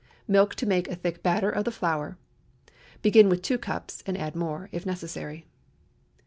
Milk to make a thick batter of the flour. Begin with two cups, and add more if necessary.